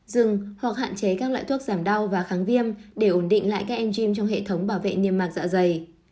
dừng hoặc hạn chế các loại thuốc giảm đau và kháng viêm để ổn định lại các enzym trong hệ thống bảo vệ niêm mạc dạ dày